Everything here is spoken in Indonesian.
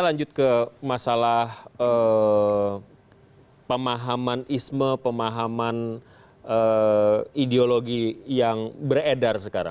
kita lanjut ke masalah pemahaman isme pemahaman ideologi yang beredar sekarang